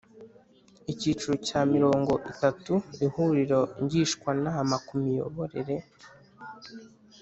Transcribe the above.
Icyiciro cya mirongo itatu Ihuriro Ngishwanama ku Miyoborere